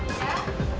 terima kasih pak